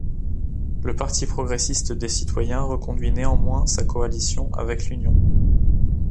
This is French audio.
Le Parti progressiste des citoyens reconduit néanmoins sa coalition avec l'union.